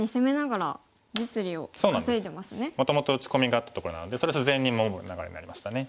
もともと打ち込みがあったところなのでそれを自然に守る流れになりましたね。